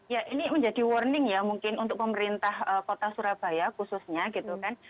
ya ini menjadi warning ya mungkin untuk pemerintah kota surabaya khususnya gitu kan